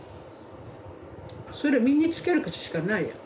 それを身につけるしかないよ。